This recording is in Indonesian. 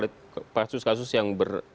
kasus kasus yang ber